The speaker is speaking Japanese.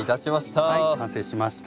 はい完成しました。